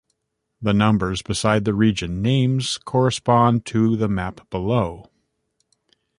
The numbers beside the region names correspond to the map below.